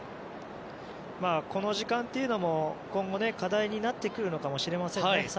この時間というのも今後、課題になってくるのかもしれませんね。